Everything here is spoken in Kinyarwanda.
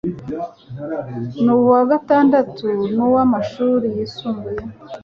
n uwa gatandatu w amashuri yisumbuye